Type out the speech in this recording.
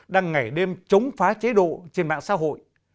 đang ngày đêm chống phá chế độ trên mạng xã hội